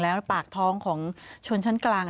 แล้วปากท้องของชนชั้นกลาง